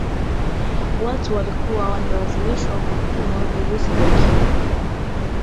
watu walikuwa wanalazimishwa kupimwa virusi vya ukimwi